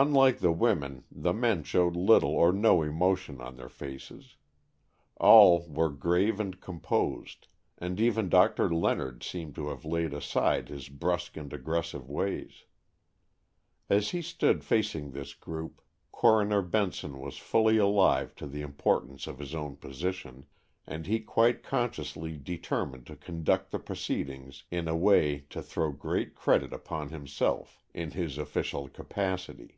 Unlike the women, the men showed little or no emotion on their faces. All were grave and composed, and even Doctor Leonard seemed to have laid aside his brusque and aggressive ways. As he stood facing this group, Coroner Benson was fully alive to the importance of his own position, and he quite consciously determined to conduct the proceedings in a way to throw great credit upon himself in his official capacity.